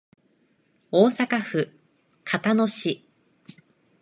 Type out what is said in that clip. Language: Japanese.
大阪府交野市